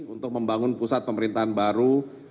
untuk membangun pusat pemerintahan baru